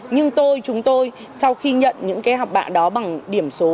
nhưng tôi chúng tôi sau khi nhận những cái học bạ đó bằng điểm số